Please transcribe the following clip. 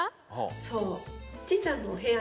そう。